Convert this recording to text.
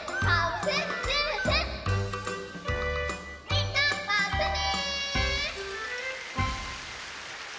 みんなまったね！